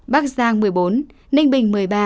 bắc giang một mươi bốn ninh bình một mươi ba